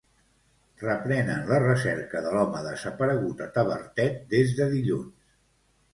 Reprenen la recerca de l'home desaparegut a Tavertet des de dilluns.